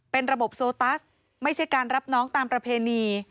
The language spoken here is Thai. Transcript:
เป็นระบบโซตัสไม่ใช่การรับน้องตามประเพณี